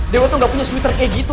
dewa tuh gak punya switter kayak gitu